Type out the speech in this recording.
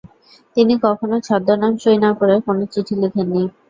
তিনি কখনও ছদনাম সই না করে কোনও চিঠি লেখেননি।